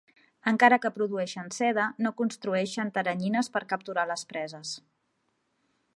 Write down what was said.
Encara que produeixen seda, no construeixen teranyines per capturar les preses.